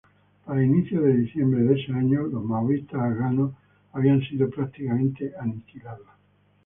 Para inicios de diciembre de ese año, los maoístas afganos habían sido prácticamente aniquilados.